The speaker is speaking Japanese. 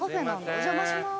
お邪魔します。